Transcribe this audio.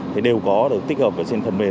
thì đều có được tích hợp trên thân mê